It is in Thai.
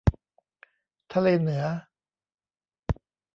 ทะเลเหนือ